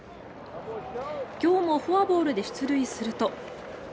今日もフォアボールで出塁すると。